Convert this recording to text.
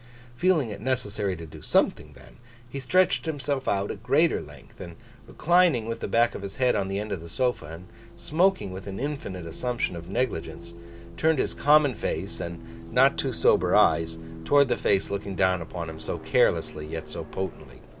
Feeling it necessary to do something then, he stretched himself out at greater length, and, reclining with the back of his head on the end of the sofa, and smoking with an infinite assumption of negligence, turned his common face, and not too sober eyes, towards the face looking down upon him so carelessly yet so potently.